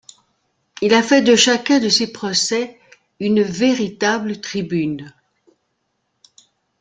Il a fait de chacun de ses procès une véritable tribune.